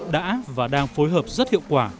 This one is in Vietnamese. đã và đang phối hợp rất hiệu quả